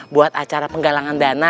buat acara penggalangan dana